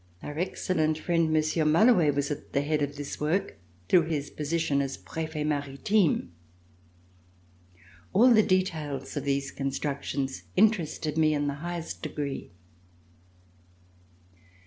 Our excellent friend, Monsieur Malouct, was at the head of this work through his position as Prefet Maritime. All the details of these constructions interested me in the highest degree.